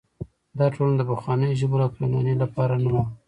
دا ټولنه د پخوانیو ژبو لکه یوناني لپاره نه وه.